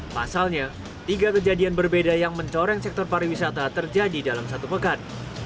pasalnya tiga kejadian berbeda yang mencoreng sektor pariwisata terjadi dalam satu pekan